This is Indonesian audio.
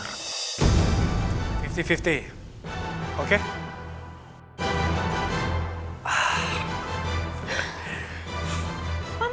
aku mau berbicara sama kamu